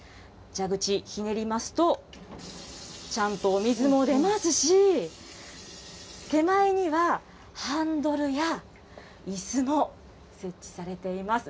蛇口、ひねりますと、ちゃんとお水も出ますし、手前には、ハンドルやいすも設置されています。